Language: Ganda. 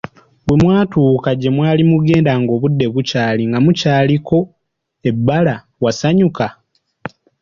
Bwe mwatuuka gye mwali mugenda ng'obudde bukyali, nga mukyaliko ebbala, wasanyuka.